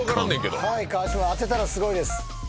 川島さん当てたらすごいです。